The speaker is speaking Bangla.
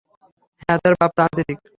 হ্যাঁ, তার বাপ তান্ত্রিক।